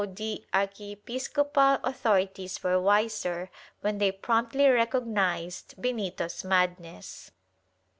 62 THE TRIAL [Book VI archiepiscopal authorities were wiser, when they promptly recog nized Benito's madness.